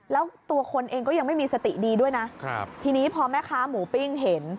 แล้วตัวคนเองก็ยังไม่มีสติดีด้วยนะทีนี้พอแม่ค้าหมูปิ้งเห็น